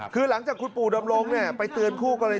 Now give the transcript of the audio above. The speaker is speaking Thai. คือหลังจากคุณปู่ดำรงไปเตือนคู่กรณี